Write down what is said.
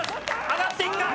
上がっていくか。